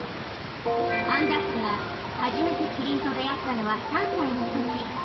アン・ダッグが初めてキリンと出会ったのは３歳のとき。